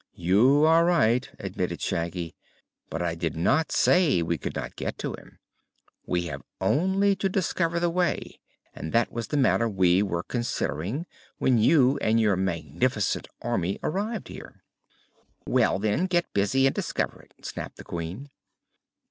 "You are right," admitted Shaggy; "but I did not say we could not get to him. We have only to discover the way, and that was the matter we were considering when you and your magnificent Army arrived here." "Well, then, get busy and discover it," snapped the Queen.